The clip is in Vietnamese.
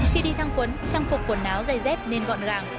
khi đi thang quấn trang phục quần áo dày dép nên gọn gàng